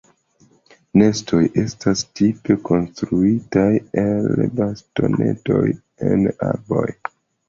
Nestoj estas tipe konstruitaj el bastonetoj en arboj.